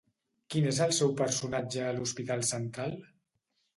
Quin és el seu personatge a Hospital Central?